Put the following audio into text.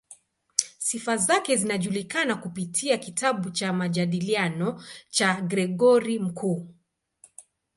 Sifa zake zinajulikana kupitia kitabu cha "Majadiliano" cha Gregori Mkuu.